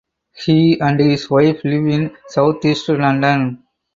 He and his wife live in South East London.